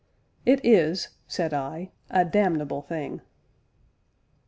"It is," said I, "a damnable thing!"